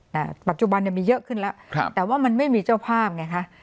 ปัจจุบันเนี่ยมีเยอะขึ้นแล้วครับแต่ว่ามันไม่มีเจ้าภาพไงคะ